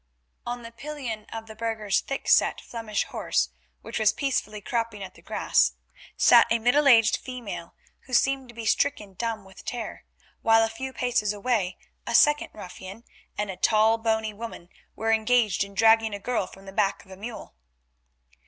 On the pillion of the burgher's thickset Flemish horse, which was peacefully cropping at the grass, sat a middle aged female, who seemed to be stricken dumb with terror, while a few paces away a second ruffian and a tall, bony woman were engaged in dragging a girl from the back of a mule.